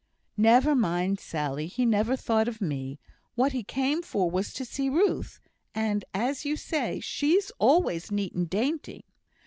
"Never mind, Sally; he never thought of me. What he came for, was to see Ruth; and, as you say, she's always neat and dainty."